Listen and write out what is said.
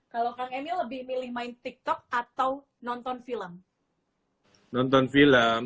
kalau kang emil lebih milih main tiktok atau nonton film nonton film